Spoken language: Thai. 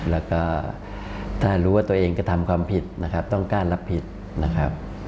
แล้วก็ถ้ารู้ว่าตัวเองกระทำความผิดนะครับต้องการรับผิดนะครับ